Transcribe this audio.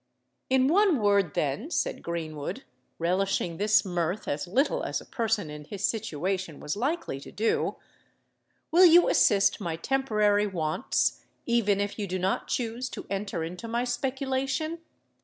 "In one word, then," said Greenwood, relishing this mirth as little as a person in his situation was likely to do; "will you assist my temporary wants—even if you do not choose to enter into my speculation?